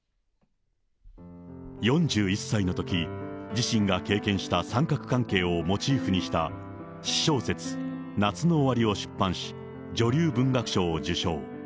４１歳のとき、自身が経験した三角関係をモチーフにした、私小説、夏の終りを出版し、女流文学賞を受賞。